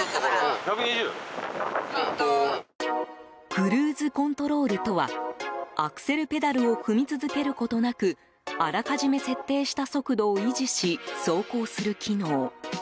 クルーズコントロールとはアクセルペダルを踏み続けることなくあらかじめ設定した速度を維持し走行する機能。